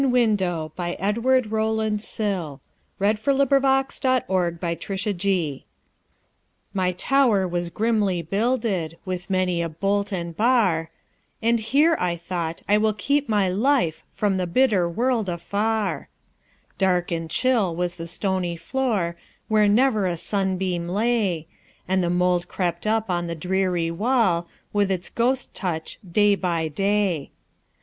1912. Edward Rowland Sill 1841–1887 Edward Rowland Sill 207 The Open Window MY tower was grimly builded, With many a bolt and bar,"And here," I thought, "I will keep my lifeFrom the bitter world afar."Dark and chill was the stony floor, Where never a sunbeam lay, And the mould crept up on the dreary wall, With its ghost touch, day by day.